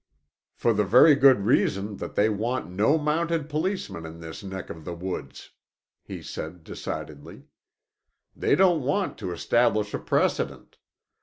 "For the very good reason that they want no Mounted Policemen in this neck of the woods," he said decidedly. "They don't want to establish a precedent.